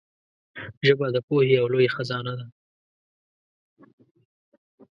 ژبه د پوهې یو لوی خزانه ده